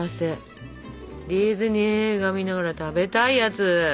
ディズニー映画見ながら食べたいやつ。